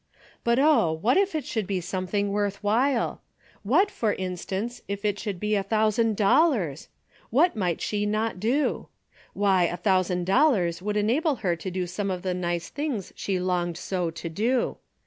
But oh, what if it should be something worth while ? What, for in stance, if it should be a thousand dollars ! What might she not do ? Why, a thousand .dollars would enable her to do some of the nice things she longed so to do.